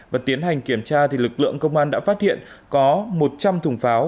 và tiến hành kiểm tra lực lượng công an đã phát hiện có một trăm linh thùng pháo